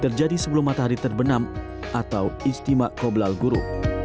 terjadi sebelum matahari terbenam atau istimewa koblal guru